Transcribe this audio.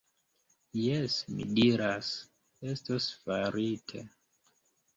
Jes, mi diras, estos farite.